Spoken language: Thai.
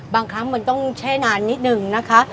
บางครั้งมันต้องแช่นานนิดนึงนะคะ